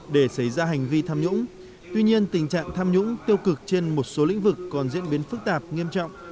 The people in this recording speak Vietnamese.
để xảy ra hành vi tham nhũng tuy nhiên tình trạng tham nhũng tiêu cực trên một số lĩnh vực còn diễn biến phức tạp nghiêm trọng